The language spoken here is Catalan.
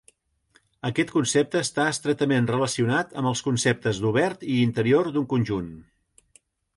Aquest concepte està estretament relacionat amb els conceptes d'obert i interior d'un conjunt.